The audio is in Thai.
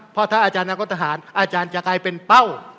เพราะถ้าอาจารย์อนาคตทหารอาจารย์จะกลายเป็นเป้า